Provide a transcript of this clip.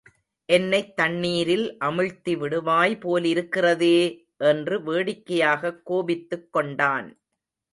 என்னைத் தண்ணீரில் அமிழ்த்திவிடுவாய் போலிருக்கிறதே! என்று வேடிக்கயைாகக் கோபித்துக் கொண்டான்.